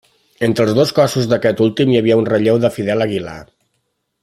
Entre els dos cossos d'aquest últim hi havia un relleu de Fidel Aguilar.